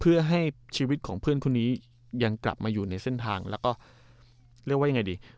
เพื่อให้ชีวิตของเพื่อนคนนี้ยังกลับมาอยู่ในเส้นทางแล้วก็เรียกว่ายังไงดี